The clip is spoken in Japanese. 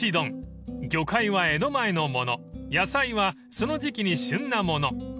［魚介は江戸前のもの野菜はその時季に旬なもの］